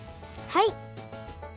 はい！